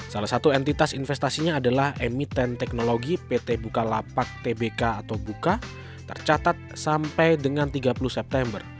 salah satu entitas investasinya adalah emiten teknologi pt bukalapak tbk atau buka tercatat sampai dengan tiga puluh september